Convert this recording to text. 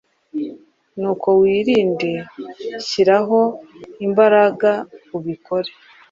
Nuko wirinde... shyiraho imbaraga ubikore